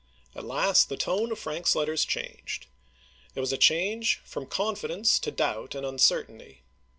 At last the tone of Frank's letters changed. It was a change from confidence to doubt and uncertainty.